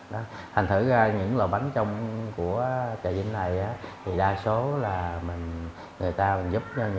mà dù như là những người dân tộc